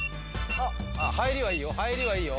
入りはいいよ